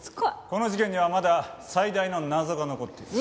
この事件にはまだ最大の謎が残っています。